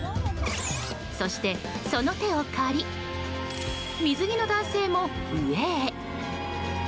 そして、その手を借り水着の男性も上へ。